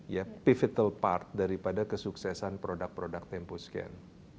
ya pivotal part daripada kesuksesan produk produk temposcan